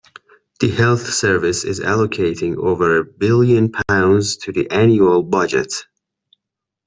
The health service is allocating over a billion pounds to the annual budget.